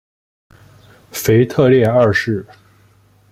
腓特烈二世。